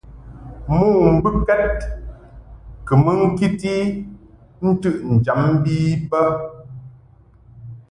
Mo mbɨkɛd kɨ mɨ ŋkiti ntɨʼnjam bi bə.